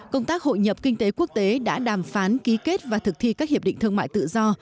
công tác hội nhập kinh tế quốc tế đã đàm phán ký kết và thực thi các hiệp định thương mại tự do